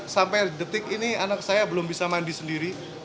sampai detik ini anak saya belum bisa mandi sendiri